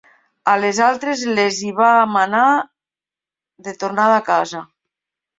A les altres les hi va manar de tornada a casa.